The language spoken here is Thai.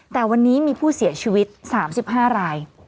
แต่วันนี้มีผู้เสียชีวิต๓๕ราย